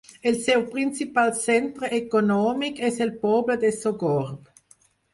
El seu principal centre econòmic és el poble de Sogorb.